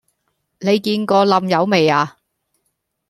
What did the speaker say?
你見過冧友未呀?